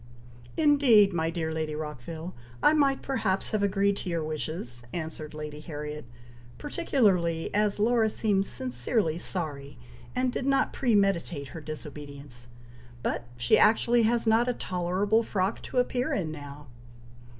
"Indeed, my dear Lady Rockville! I might perhaps have agreed to your wishes," answered Lady Harriet, "particularly as Laura seems sincerely sorry, and did not premeditate her disobedience; but she actually has not a tolerable frock to appear in now!"